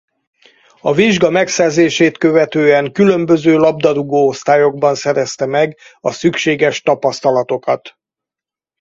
A vizsga megszerzését követően különböző labdarúgó osztályokban szerezte meg a szükséges tapasztalatokat.